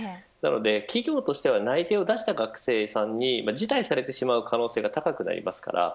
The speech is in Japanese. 企業としては内定を出した学生さんに辞退されてしまう可能性が高くなります。